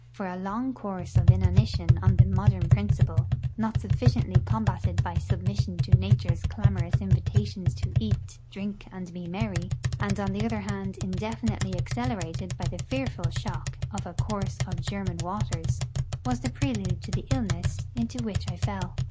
For a long course of inanition on the modern principle, not sufficiently combated by submission to Nature's clamorous invitations to eat, drink, and be merry, and on the other hand indefinitely accelerated by the fearful shock of a course of German waters, was the prelude to the illness into which I fell.